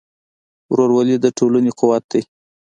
ورورولي د ټولنې قوت دی.